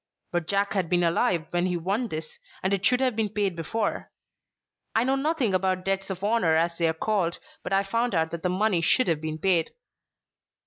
But Jack had been alive when he won this, and it should have been paid before. I know nothing about debts of honour as they are called, but I found out that the money should have been paid."